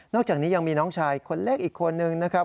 อกจากนี้ยังมีน้องชายคนเล็กอีกคนนึงนะครับ